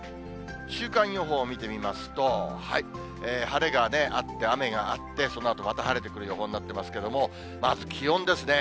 週間予報を見てみますと、晴れがあって、雨があって、そのあとまた晴れてくる予報になっていますけれども、まず気温ですね。